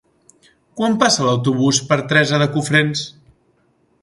Quan passa l'autobús per Teresa de Cofrents?